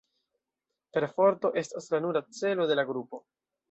Perforto estas la nura celo de la grupo.